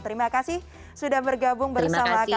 terima kasih sudah bergabung bersama kami malam hari ini